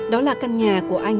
đó là căn nhà của anh